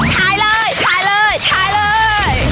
ถ่ายเลยถ่ายเลยถ่ายเลย